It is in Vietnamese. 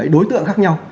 đối tượng khác nhau